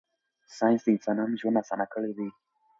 ساینس د انسانانو ژوند اسانه کړی دی.